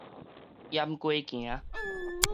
閹雞行